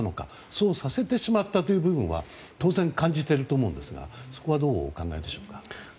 そうさせてしまったという部分は感じていると思うんですがそこはどうお考えですか？